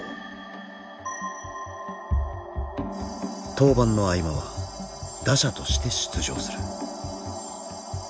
登板の合間は打者として出場する。